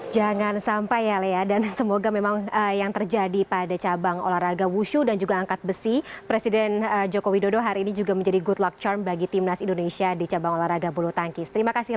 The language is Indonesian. jangan sampai ya lea dan semoga memang yang terjadi pada cabang olahraga wushu dan juga angkat besi presiden joko widodo hari ini juga menjadi good luck charm bagi timnas indonesia di cabang olahraga bulu tangkis